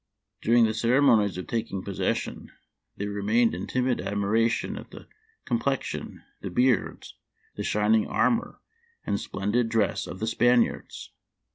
During the ceremonies of taking possession, they remained in timid admiration at the complexion, the beards, the shining armor, and splendid dress of the Spaniards.